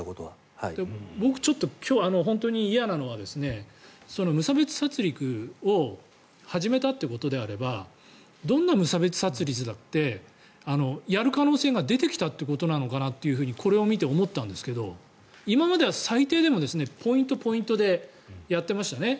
僕今日、本当に嫌なのは無差別殺りくを始めたということであればどんな無差別殺りくだってやる可能性が出てきたということなのかなとこれを見て思ったんですけど今までは最低でもポイント、ポイントでやってましたね。